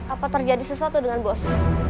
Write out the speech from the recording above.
apa terjadi sesuatu dengan bos